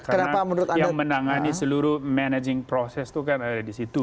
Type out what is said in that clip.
karena yang menangani seluruh managing process itu kan ada di situ